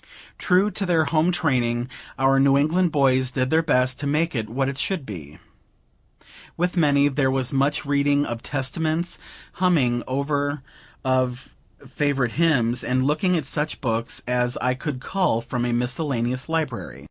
True to their home training, our New England boys did their best to make it what it should be. With many, there was much reading of Testaments, humming over of favorite hymns, and looking at such books as I could cull from a miscellaneous library.